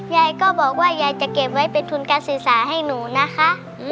ยายก็บอกว่ายายจะเก็บไว้เป็นทุนการศึกษาให้หนูนะคะ